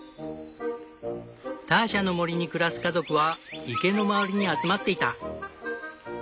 ターシャの森に暮らす家族は池の周りに集まっていた。